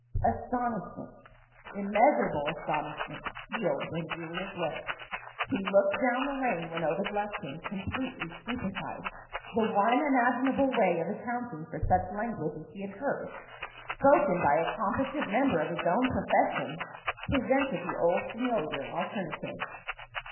Astonishment immeasurable astonishment sealed Benjulia's lips. He looked down the lane when Ovid left him, completely stupefied. The one imaginable way of accounting for such language as he had heard spoken by a competent member of his own profession! presented the old familiar alternative.